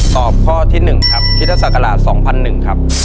ตอบข้อที่๑ครับพุทธศักราช๒๐๐๑ครับ